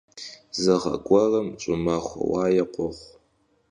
Зы гъэ гуэрым щӀымахуэ уае къохъу.